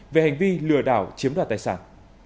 về hành vi lừa đảo chiếm đoạt tài sản